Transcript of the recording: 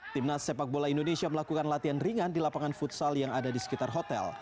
timnas sepak bola indonesia melakukan latihan ringan di lapangan futsal yang ada di sekitar hotel